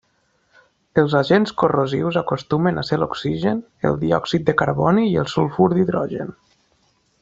Els agents corrosius acostumen a ser l'oxigen, el diòxid de carboni i el sulfur d'hidrogen.